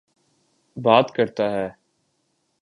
بات کرتا ہے۔